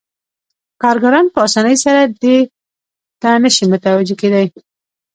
کارګران په اسانۍ سره دې ته نشي متوجه کېدای